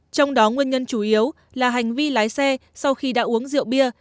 trong đó nguyên nhân chủ yếu là hành vi lái xe sau khi đã uống rượu bia